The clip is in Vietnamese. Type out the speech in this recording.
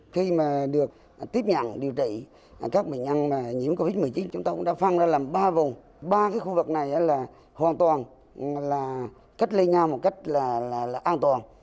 khi mà được tiếp nhận điều trị các bệnh nhân nhiễm covid một mươi chín chúng tôi cũng đã phân ra làm ba vùng ba cái khu vực này là hoàn toàn là cách ly nhau một cách là an toàn